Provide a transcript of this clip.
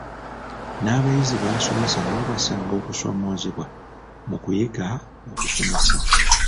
N’abayizi b’asomesa nabo basanga okusoomoozebwa mu kuyiga okusoma.